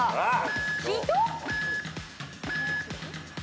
「人」？